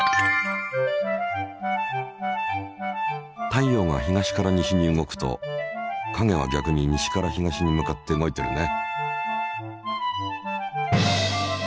太陽が東から西に動くと影は逆に西から東に向かって動いてるね。